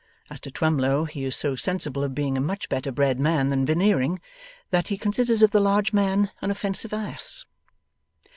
As to Twemlow, he is so sensible of being a much better bred man than Veneering, that he considers the large man an offensive ass.